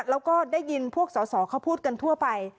แล้วก็ได้ยินพวกสอสอเขาพูดกันทั่วไป